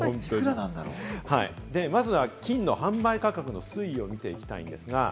まずは金の販売価格の推移を見ていきたいと思います。